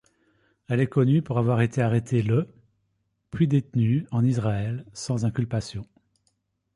Elle est connue pour avoir été arrêtée le puis détenue, en Israël, sans inculpation.